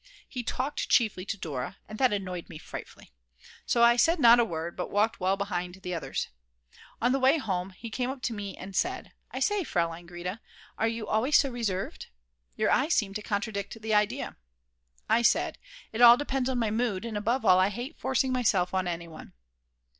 He talked chiefly to Dora, and that annoyed me frightfully. So I said not a word, but walked well behind the others. On the way home he came up to me and said: "I say, Fraulein Grete, are you always so reserved? Your eyes seem to contradict the idea." I said: "It all depends on my mood, and above all I hate forcing myself on any one."